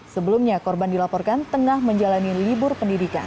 sebelumnya korban dilaporkan tengah menjalani libur pendidikan